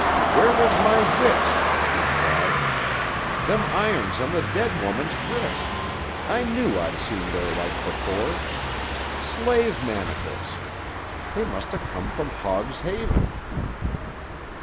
"Where was my wits?" he cried. "Them irons on the dead woman's wrist—I knew I'd seen their like before! Slave manacles! They must 'a' come from Hogg's Haven!"